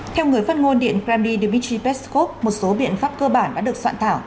theo người phát ngôn điện kremlin dmitry peskov một số biện pháp cơ bản đã được soạn thảo